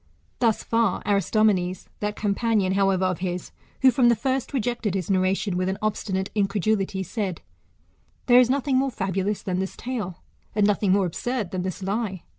Thus far Aris tomenes. That companion, however, of his, who from the first rejected his narration with an obstinate incredulity, said, There is no thing more fabulous than this tale, and nothing more absurd than this lie.